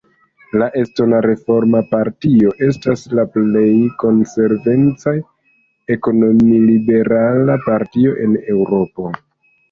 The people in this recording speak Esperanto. La Estona Reforma Partio estas la plej konsekvence ekonomi-liberala partio en Eŭropo.